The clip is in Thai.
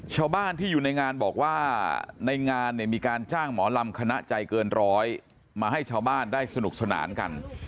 ชาวบ้านที่อยู่ในงานบอกว่าในงานเนี่ยมีการจ้างหมอลำคณะใจเกินร้อยมาให้ชาวบ้านได้สนุกสนานกัน